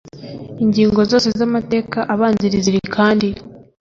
Ingingo zose z amateka abanziriza iri kandi